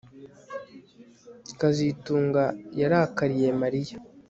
kazitunga yarakariye Mariya